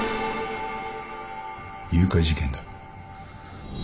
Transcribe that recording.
誘拐事件だ。